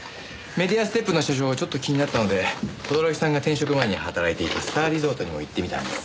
メディアステップの社長ちょっと気になったので轟さんが転職前に働いていたスターリゾートにも行ってみたんです。